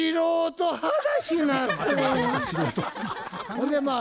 ほんでまあ